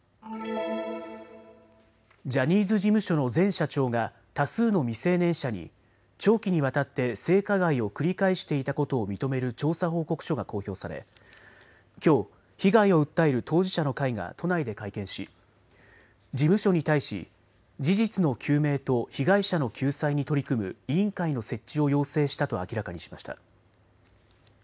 ジャニーズ事務所の前社長が多数の未成年者に長期にわたって性加害を繰り返していたことを認める調査報告書が公表されきょう被害を訴える当事者の会が都内で会見し事務所に対し事実の究明と被害者の救済に取り組む委員会の設置を要請したと明らかにしました。